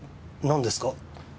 何ですか？